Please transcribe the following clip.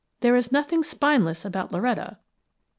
There is nothing spineless about Loretta!"